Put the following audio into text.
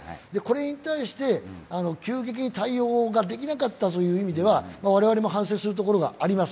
これに対して急激に対応ができなかったという意味では、我々も反省するところはあります。